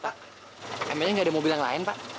pak embelnya nggak ada mobil yang lain pak